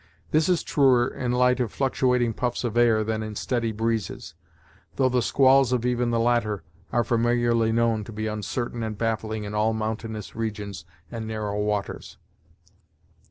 This is truer in light fluctuating puffs of air than in steady breezes; though the squalls of even the latter are familiarly known to be uncertain and baffling in all mountainous regions and narrow waters.